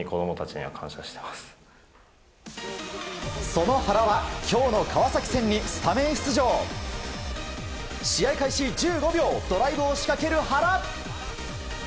その原は今日の川崎戦にスタメン出場。試合開始１５秒ドライブを仕掛ける原。